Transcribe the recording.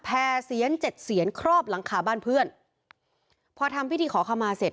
เสียนเจ็ดเสียนครอบหลังคาบ้านเพื่อนพอทำพิธีขอขมาเสร็จ